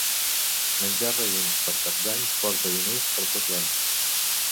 Menjar raïms per Cap d'Any porta diners per tot l'any.